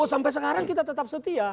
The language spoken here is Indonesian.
oh sampai sekarang kita tetap setia